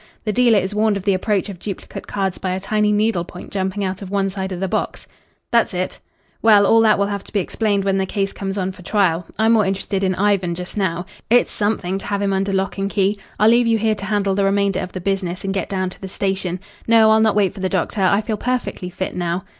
The dealer is warned of the approach of duplicate cards by a tiny needle point jumping out of one side of the box." "That's it." "Well, all that will have to be explained when the case comes on for trial. I'm more interested in Ivan just now. It's something to have him under lock and key. I'll leave you here to handle the remainder of the business and get down to the station. No I'll not wait for the doctor. I feel perfectly fit now."